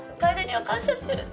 楓には感謝してる！